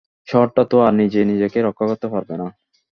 শহরটা তো আর নিজে নিজেকে রক্ষা করতে পারবেনা।